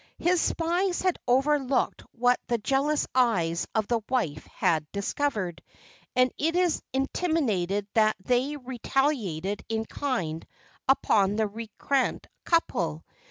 His spies had overlooked what the jealous eyes of the wife had discovered, and it is intimated that they retaliated in kind upon the recreant couple.